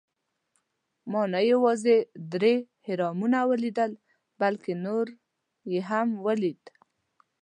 ما نه یوازې درې اهرامونه ولیدل، بلکې نور یې هم ولېدل.